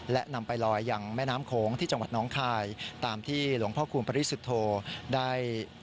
และนำไปลอยอย่างแม่น้ำโขงที่จังหวัดน้องคายตามที่หลวงพ่อคูณปริสุทธโธได้